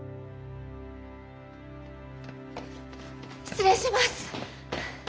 失礼します！